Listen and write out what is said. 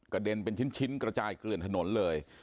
เด็นเป็นชิ้นกระจายเกลื่อนถนนเลย